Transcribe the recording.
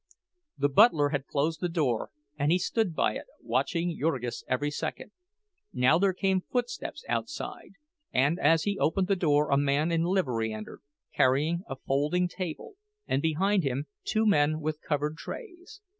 The butler had closed the door, and he stood by it, watching Jurgis every second. Now there came footsteps outside, and, as he opened the door a man in livery entered, carrying a folding table, and behind him two men with covered trays.